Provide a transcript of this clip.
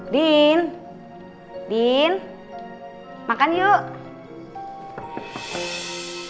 din din makan yuk